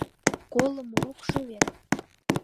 Колымо ок шу вет!